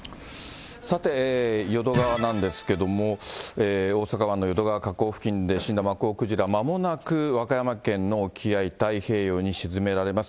さて、大阪湾の淀川河口付近で死んだマッコウクジラ、まもなく和歌山県の沖合、太平洋に沈められます。